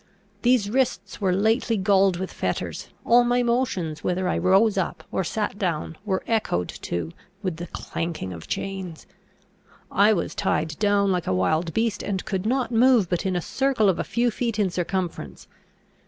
These wrists were lately galled with fetters; all my motions, whether I rose up or sat down, were echoed to with the clanking of chains; I was tied down like a wild beast, and could not move but in a circle of a few feet in circumference.